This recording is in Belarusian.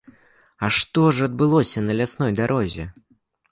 Што ж адбылося на лясной дарозе?